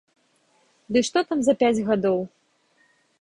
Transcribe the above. Ды што там за пяць гадоў!